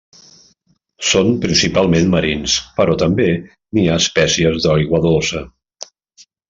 Són principalment marins però també n'hi ha espècies d'aigua dolça.